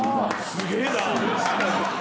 すげぇな。